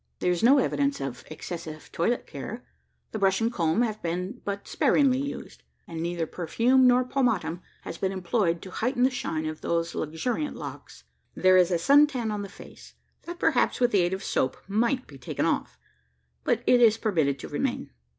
There is no evidence of excessive toilet care. The brush and comb have been but sparingly used; and neither perfume nor pomatum has been employed to heighten the shine of those luxuriant locks. There is sun tan on the face, that, perhaps with the aid of soap, might be taken off; but it is permitted to remain.